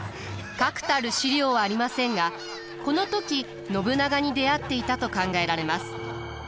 確たる史料はありませんがこの時信長に出会っていたと考えられます。